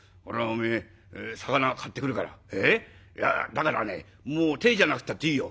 だからねもう鯛じゃなくたっていいよ」。